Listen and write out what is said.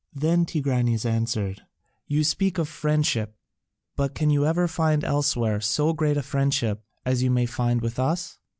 Then Tigranes answered, "You speak of friendship, but can you ever find elsewhere so great a friendship as you may find with us?"